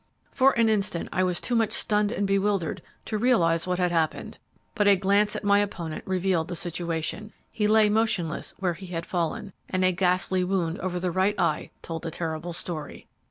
"For an instant I was too much stunned and bewildered to realize what had happened, but a glance at my opponent revealed the situation. He lay motionless where he had fallen, and a ghastly wound over the right eye told the terrible story.